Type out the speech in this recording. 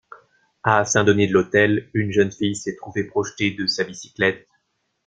À Saint-Denis-de-l'Hôtel, une jeune fille s'est trouvée projetée de sa bicyclette.